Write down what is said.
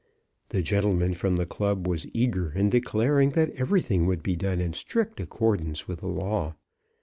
The gentleman from the club was eager in declaring that everything would be done in strict accordance with the law.